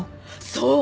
そう。